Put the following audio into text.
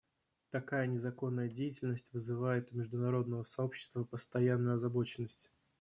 Такая незаконная деятельность вызывает у международного сообщества постоянную озабоченность.